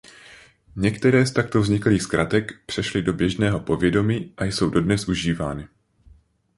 Některé z takto vzniklých zkratek přešly do běžného povědomí a jsou dodnes užívány.